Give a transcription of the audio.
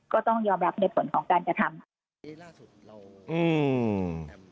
ก็ต้องยอมรับในผลของการกระทำค่ะ